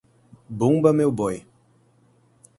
Bumba meu boi